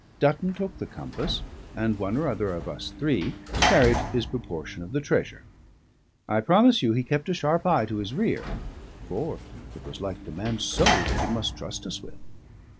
Dutton took the compass, and one or other of us three carried his proportion of the treasure. I promise you he kept a sharp eye to his rear, for it was like the man's soul that he must trust us with.